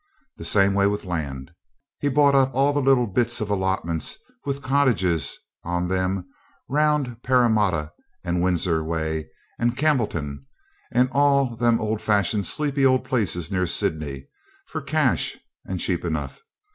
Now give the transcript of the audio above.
The same way with land; he bought up all the little bits of allotments with cottages on them round Paramatta and Windsor way and Campbelltown all them old fashioned sleepy old places near Sydney, for cash, and cheap enough.